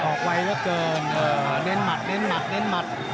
ออกไว้กว่าเกินเล่นหมัดเล่นหมัดเล่นหมัด